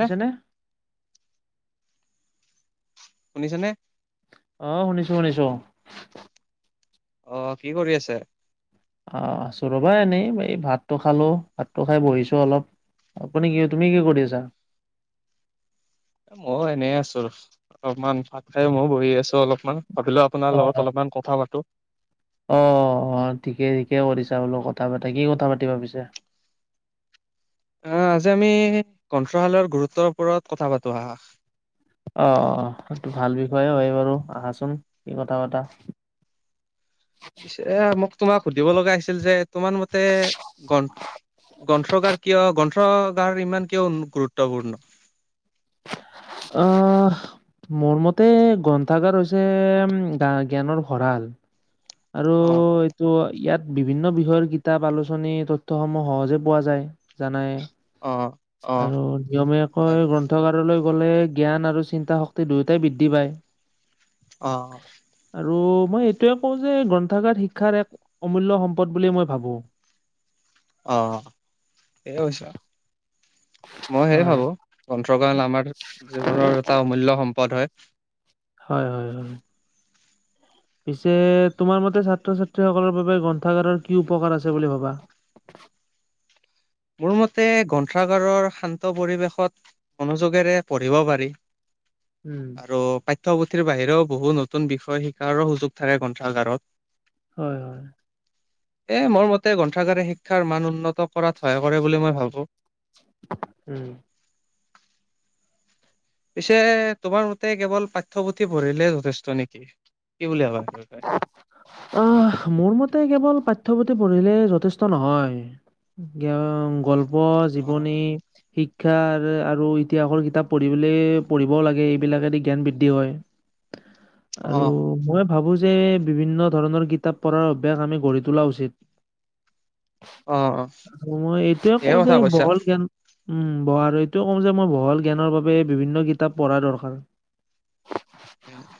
শুনিছানে? শুনিছানে? অ' শুনিছোঁ শুনিছোঁ। অ' কি কৰি আছে? অ' আছোঁ ৰ'বা এনেই, এই ভাতটো খালো, ভাতটো খাই বহিছো অলপ। আপুনি কি, তুমি কি কৰি আছা? ময়ো এনে আছোঁ অলপমান, ভাত খাই ময়ো বহি আছো অলপমান, ভাবিলো আপোনাৰ লগত অ' অলপমান কথা পাতো। অ', অ' ঠিকে ঠিকে কৰিছা বোলো, কথা পাতা কি কথা পাতিবা পিছে? অ' আজি আমি গ্ৰন্থালয়ৰ গুৰুত্বৰ ওপৰত কথা পাতো আহা। অ', অ' সেইটো ভাল বিষয়ে হয় বাৰু, আহাচোন কি কথা পাতা। পিছে এ, মোক তোমাক সুধিব লগা আছিল যে তোমাৰ মতে গ, গ্ৰন্থগাৰ কিয় গ গ্ৰন্থগাৰ ইমান‌ কিয় গুৰুত্বপূৰ্ণ? অ' মোৰ মতে গ্ৰন্থাগাৰ হৈছে গা-জ্ঞানৰ ভঁৰাল। আৰু অ ত' ইয়াত বিভিন্ন বিষয়ৰ কিতাপ, আলোচনী, তথ্যসমূহ সহজে পোৱা যায় জানাই। অ অ আৰু নিয়মীয়াকৈ গ্ৰন্থগাৰলৈ গলে জ্ঞান আৰু চিন্তা শক্তি দুয়োটাই বৃদ্ধি পায়। অ'। আৰু মই এইটোৱে কওঁ যে গ্ৰন্থাগাৰ শিক্ষাৰ এক অমূল্য সম্পদ বুলিয়ে মই ভাবোঁ। অ' সেয়ে হৈছে, মই সেয়ে হয়। ভাবোঁ। গ্ৰন্থাগাৰ আমাৰ জীৱনৰ এটা অমূল্য সম্পদ হয়। হয় হয় হয়। পিছে তোমাৰ মতে ছাত্ৰ ছাত্ৰীসকলৰ বাবে গ্ৰন্থাগাৰৰ কি উপকাৰ আছে বুলি ভাবা? মোৰ মতে গ্ৰন্থাগাৰৰ শান্ত পৰিৱেশত মনোযোগেৰে পঢ়িব পাৰি। উম। আৰু পাঠ্যপুথিৰ বাহিৰেও বহুত নতুন বিষয় শিকাৰো সুযোগ থাকে গ্ৰন্থাগাৰত। হয় হয়। এ, মোৰ মতে গ্ৰন্থাগাৰে শিক্ষাৰ মান উন্নত কৰাত সহায় কৰে বুলি মই ভাবোঁ। উম। পিছে তোমাৰ মতে কেৱল পাঠ্যপুথি পঢ়িলে যথেষ্ট নেকি, কি বুলি ভাবা? তই? আহ, মোৰ মতে কেৱল পাঠ্যপুথি পঢ়িলে যথেষ্ট নহয়। গল্প, অ', জীৱনী শিক্ষাৰ আৰু ইতিহাসৰ কিতাপ পঢ়িবলে পঢ়িবও লাগে, এইবিলাকেদি জ্ঞান বৃদ্ধি হয়। [inaudible] আৰু মই ভাবোঁ যে বিভিন্ন ধৰণৰ কিতাপ পঢ়াৰ অভ্যাস আমি গঢ়ি তোলা উচিত। অ', অ', মই এইটোয়ে ধেৰ কওঁ যে কথা কৈছা। বহল জ্ঞান উম, বহাৰো আৰু এইটোয়ে কওঁ যে মই বহল জ্ঞানৰ বাবে বিভিন্ন কিতাপ পঢ়া দৰকাৰ।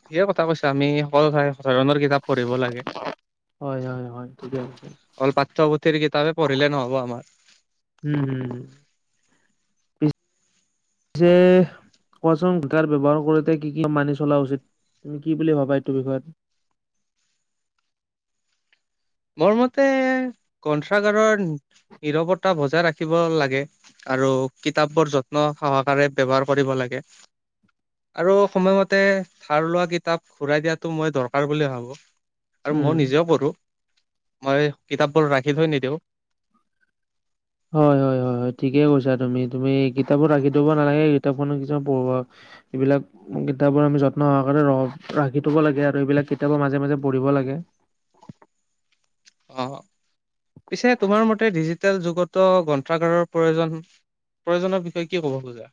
ঠিকে কথা কৈছা, আমি সকলো ঠাই সচৰণৰ কিতাপ পঢ়িব লাগে। হয়, হয়, হয়, ঠিকে কৈছে। অল পাঠ্যপুথিৰ কিতাপে পঢ়িলে নহ'ব আমাৰ। হুম, হুম, হু। পিছে কোৱাচোন কাৰ ব্যৱহাৰ কৰোঁতে কি কি মানি চলা উচিত, তুমি কি বুলি ভাবা এইটো বিষয়ত? মোৰ মতে, কন্ঠাগাৰৰ নিৰৱতা বজাই ৰাখিব লাগে। আৰু কিতাপৰ যত্ন সহকাৰে ব্যৱহাৰ কৰিব লাগে। আৰু সময়মতে ধাৰ লোৱা কিতাপ ঘূৰাই দিয়াটো, মই দৰকাৰ বুলি ভাবোঁ। আৰু মই উম। নিজেও পঢ়োঁ, মই কিতাপবোৰ ৰাখি থৈ নিদিওঁ। হয় হয়, হয় হয় ঠিকে কৈছাঁ তুমি, তুমি কিতাবোৰ ৰাখি থ'ব নালাগে, কিতাপখনো কিছুমান পঢ়া এইবিলাক কিতাপবোৰ আমি যত্ন সহে ৰাখি থ'ব লাগে, আৰু এইবিলাক কিতাপবোৰ মাজে মাজে পঢ়িব লাগে। অ', পিছে তোমাৰ মতে ডিজিটেল যুগটো গ্ৰন্থাগাৰৰ প্ৰয়োজন প্ৰয়োনৰ বিষয়ে কি ক'ব খোজা?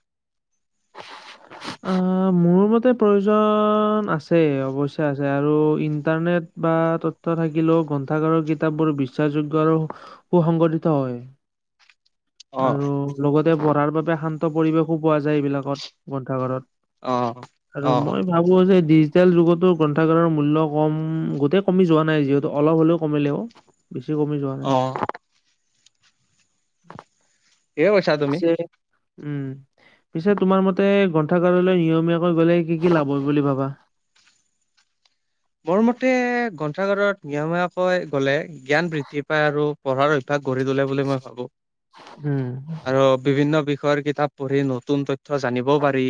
অ', মোৰ মতে প্ৰয়োজন আছে, অৱশ্যে আছে, আৰু ইণ্টাৰনেট বা তথ্য থাকিলেও গ্ৰন্থাগাৰৰ কিতাপবোৰ বিশ্বাসযোগ্য আৰু সুসগঠিত হয় [unintelligible] আৰু লগতে পঢ়াৰ বাবে শান্ত পৰিৱেশো পোৱা যায়, এইবিলাকত গণ্ঠা অ ঘৰত। আৰু অ মই ভাবোঁ যে ডিজিটেল যুগটো গ্ৰন্থাগাৰৰ মূল্য কম, গোটেই কমি যোৱা নাই যিহেতু, অলপ হ'লেও কমিলে। বেছি কমি যোৱা অ নাই। ঠিকে কৈছা তুমি পিছে উম, পিছে তোমাৰ মতে ততে গ্ৰন্থাগাৰলৈ নিয়মীয়াকৈ গ'লে কি, কি লাভ হয় বুলি ভাবা? মোৰ মতে গ্ৰন্থাগাৰত নিয়মীয়াকৈ গ'লে জ্ঞান বৃদ্ধি পায় আৰু পঢ়াৰ অভ্যাস গঢ়ি তোলে বুলি মই ভাবোঁ। উম, আৰু বিভিন্ন বিষয়ৰ কিতাপ পঢ়ি, নতুন তথ্য জানিবও পাৰি।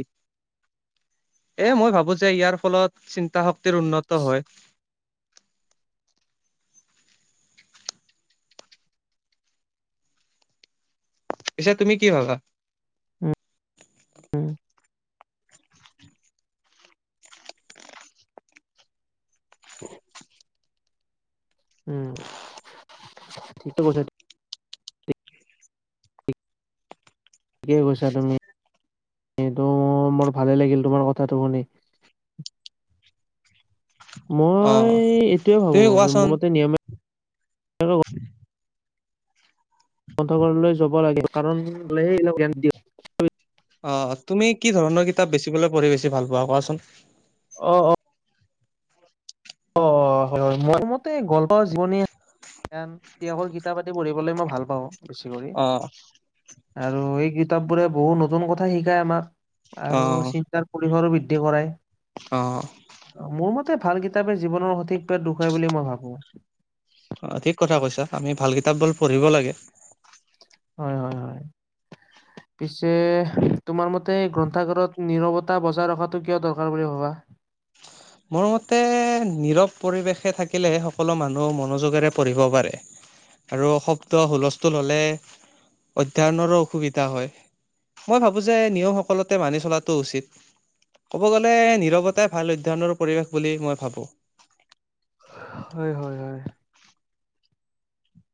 এ মই ভাবোঁ যে, ইয়াৰ ফলত চিন্তা শক্তিৰ উন্নত হয়। পিছে তুমি কি ভাবাঁ? উম, উম। উম, ঠিক কৈছা। ঠিকেই কৈছাঁ তুমি, এইটো মোৰ ভালেই লাগিল তোমাৰ কথাটো শুনি। মই অহ এইটোৱে তুমি ভাবোঁ কোৱাচোন মোৰ মতে নিয়মীয়া [unintelligible] গ্ন্থগাৰলৈ যাব লাগে কাৰণ, ল সে এইাক জ্ঞান দ [unintelligible] অ', তুমি কি ধৰণৰ কিতাপ বেছি পঢ়ি বেছি ভাল পোৱা, কোৱাচোন। অ, অ'। অ', হয়, হয় মোৰ মতে, গল্প, জীৱনী সেইসকল কিতাপ আদি পঢ়িবলৈ মই ভাল পাওঁ। বেছি কৰি, অ', আৰু এই কিতাপ বোৰে বহু নতুন কথা শিকায় আমাক। আৰু অ', চিন্তাৰ পৰিসৰো বৃদ্ধি কৰা। অ'। মোৰ মতে ভাল কিতাপে জীৱনৰ সঠিক পদ দেখুৱাই বুলি মই ভাবোঁ। অ', ঠিক কথা কৈছাঁ আমি ভাল কিতাপবোৰ পঢ়িব লাগে। হয়, হয়, হয়। [inaudible] পিছে তোমাৰ মতে গ্ৰন্থাগাৰত, নীৰৱতা বজাই ৰখাটো কিয় দৰকাৰ বুলি ভবা। মোৰ মতে নিৰৱ পৰিৱেশে থাকিলে, সকলো মানুহ মনোযোগেৰে পঢ়িব পাৰে। আৰু শব্দ হুলস্থুল হ'লে, অধ্যয়নৰো অসুবিধা হয়। মই ভাবোঁ যে নিয়ম, সকলোঁতে মানি চলাটো উচিত। ক'ব গ'লে নীৰৱতাই ভাল অধ্যয়নৰ পৰিৱেশ বুলি মই ভাবোঁ। হয়, হয়, হয়।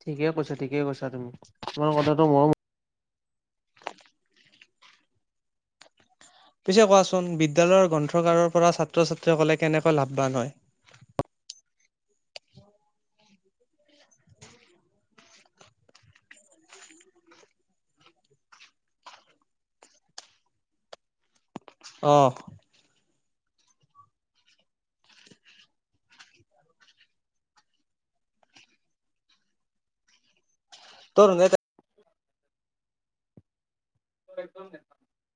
ঠিকে কৈছা, ঠিকে কৈছা, তুমি, তোমাৰ কথাটো ম পিছে কোৱাচোন, বিদ্যালয়ৰ গ্ৰন্থগাৰৰ পৰা ছাত্ৰ ছাত্ৰীসকলে, কেনেকৈ লাভৱান হয়। অঁ। [unintelligible] [unintelligible]